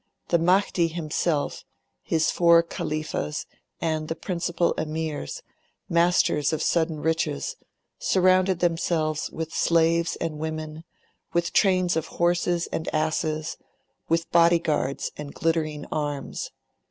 The Mahdi himself, his four Khalifas, and the principal Emirs, masters of sudden riches, surrounded themselves with slaves and women, with trains of horses and asses, with body guards and glittering arms.